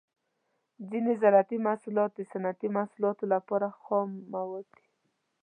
ځینې زراعتي محصولات د صنعتي محصولاتو لپاره خام مواد دي.